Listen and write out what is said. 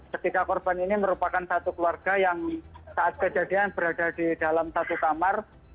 ketika korban ini merupakan satu keluarga yang saat kejadian berada di dalam satu kamar